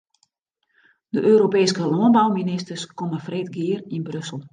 De Europeeske lânbouministers komme freed gear yn Brussel.